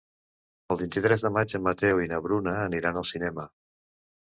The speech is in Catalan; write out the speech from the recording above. El vint-i-tres de maig en Mateu i na Bruna aniran al cinema.